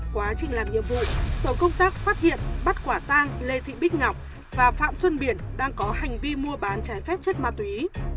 quá trình làm nhiệm vụ tổ công tác phát hiện bắt quả tang lê thị bích ngọc và phạm xuân biển đang có hành vi mua bán trái phép chất ma túy